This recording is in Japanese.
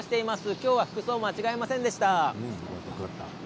今日は服装を間違えませんでした。